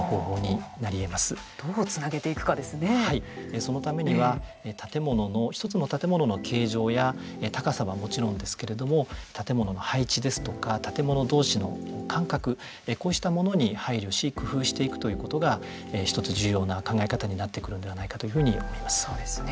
そのためには一つの建物の形状や高さはもちろんですけれども建物の配置ですとか建物どうしの間隔こうしたものに配慮し工夫していくということが一つ重要な考え方になってくるんではないかというふうに思います。